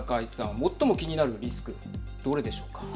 最も気になるリスクどれでしょうか。